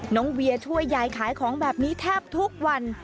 เวียช่วยยายขายของแบบนี้แทบทุกวัน